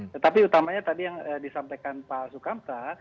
tetapi utamanya tadi yang disampaikan pak sukamta